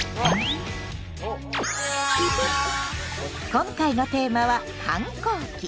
今回のテーマは「反抗期」！